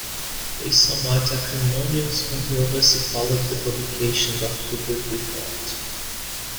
A somewhat acrimonious controversy followed the publication of Cooper's report.